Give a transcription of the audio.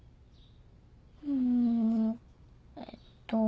んえっと。